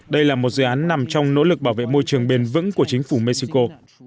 đây là một dự án nằm trong nỗ lực bảo vệ môi trường bền vững của chính phủ mexico